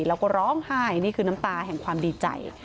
แล้วก็ร้องไห้นี่คือน้ำตาแห่งความดีใจ